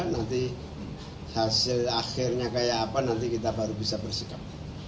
nanti hasil akhirnya kayak apa nanti kita baru bisa bersikap